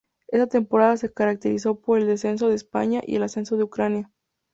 Esta temporada se caracteriza por el descenso de España y el ascenso de Ucrania.